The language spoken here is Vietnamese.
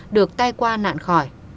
được tai qua nạn khỏi